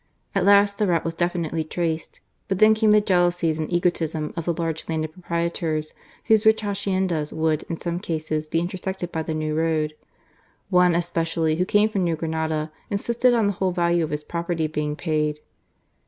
At last, the route was definitively traced ; but then came the jealoiisies and egotism of the large landed proprietors, whose rich haciendas would, in some cases, be intersected by the new road. One especially, who came from New Granada, insisted on the whole value of his property being paid.